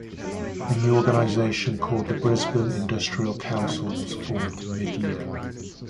A new organisation called the Brisbane Industrial Council was formed midyear.